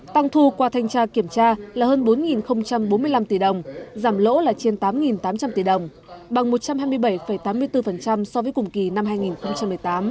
tăng thu qua thanh tra kiểm tra là hơn bốn bốn mươi năm tỷ đồng giảm lỗ là trên tám tám trăm linh tỷ đồng bằng một trăm hai mươi bảy tám mươi bốn so với cùng kỳ năm hai nghìn một mươi tám